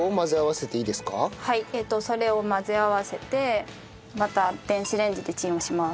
それを混ぜ合わせてまた電子レンジでチンをします。